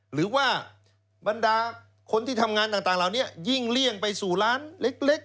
หรือว่าบรรดาคนที่ทำงานต่างเหล่านี้ยิ่งเลี่ยงไปสู่ร้านเล็ก